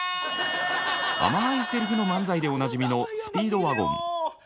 あまいセリフの漫才でおなじみのスピードワゴン。